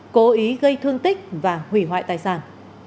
cố ý gây thương tích và hủy hoại tài sản